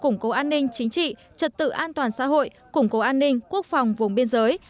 ninh chính trị trật tự an toàn xã hội củng cố an ninh quốc phòng vùng biên giới